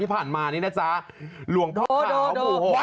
ที่ผ่านมานี่นะจ๊ะหลวงพ่อขาวหมู่๖